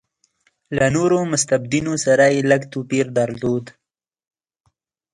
له نورو مستبدینو سره یې لږ توپیر درلود.